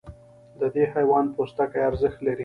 د دې حیوان پوستکی ارزښت لري.